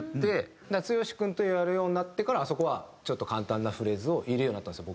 Ｔ＄ＵＹＯ＄ＨＩ君とやるようになってからあそこはちょっと簡単なフレーズを入れるようになったんです僕も。